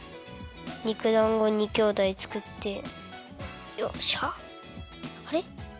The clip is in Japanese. にくだんご２きょうだいつくってよっしゃ。